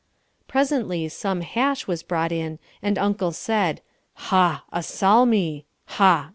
Presently some hash was brought in and Uncle said, "Ha! A Salmi! Ha!